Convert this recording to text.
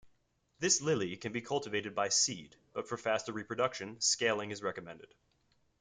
This lily can be cultivated by seed, but for faster reproduction scaling is recommended.